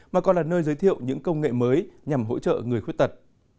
mà còn là nơi giới thiệu những công nghệ mới nhằm hỗ trợ người khuyết tật